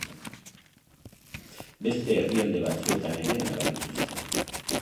Beste herrialde batzuetan ere nabaritu zen.